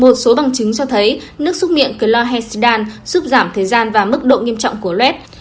một số bằng chứng cho thấy nước xúc miệng chlonshdan giúp giảm thời gian và mức độ nghiêm trọng của luet